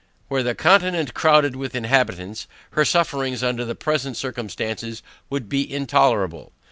Were the continent crowded with inhabitants, her sufferings under the present circumstances would be intolerable.